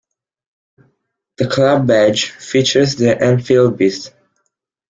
The club badge features the Enfield beast.